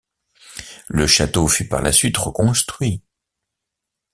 Le château fut par la suite reconstruit.